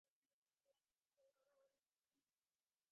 আর আসল তখনকার কুমুদের টাকাটা।